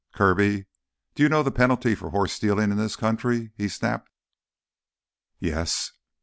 "Kirby, do you know the penalty for horse stealing in this country?" he snapped. "Yes."